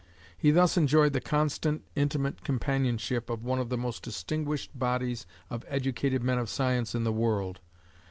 He thus enjoyed the constant intimate companionship of one of the most distinguished bodies of educated men of science in the world.